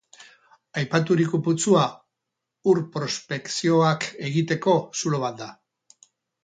Aipaturiko putzua ur prospekzioak egiteko zulo bat da.